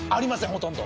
ほとんど。